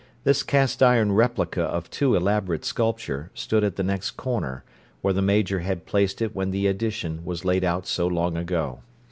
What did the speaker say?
This castiron replica of too elaborate sculpture stood at the next corner, where the Major had placed it when the Addition was laid out so long ago.